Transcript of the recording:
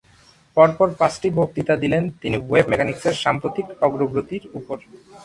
পরপর পাঁচটি বক্তৃতা দিলেন তিনি ওয়েভ মেকানিক্সের সাম্প্রতিক অগ্রগতির ওপর।